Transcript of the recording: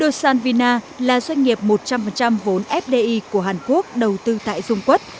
công nghiệp một trăm linh vốn fdi của hàn quốc đầu tư tại dung quất